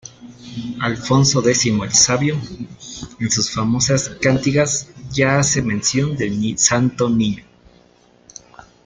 Alfonso X el Sabio, en sus famosas "Cantigas" ya hace mención del Santo Niño.